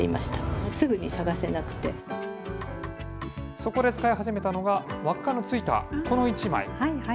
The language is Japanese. そこで使い始めたのが、輪っかの付いたこの１枚。